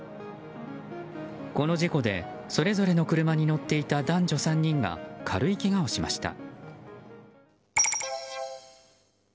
この事故でそれぞれの車に乗っていた男女３人が軽いけがをしました。